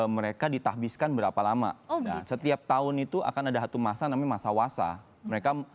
mereka ditahbiskan berapa lama setiap tahun itu akan ada satu masa namanya masa wasa mereka